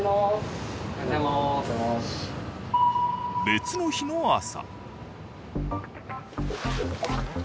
別の日の朝。